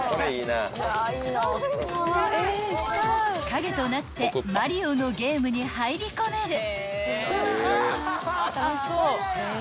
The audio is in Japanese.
［影となってマリオのゲームに入り込める］